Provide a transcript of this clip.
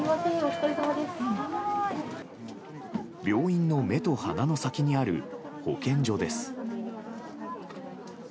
病院の目と鼻の先にある保健所です。